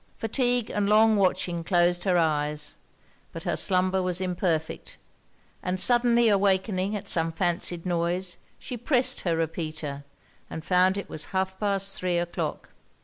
Fatigue and long watching closed her eyes; but her slumber was imperfect; and suddenly awaking at some fancied noise, she pressed her repeater, and found it was half past three o'clock.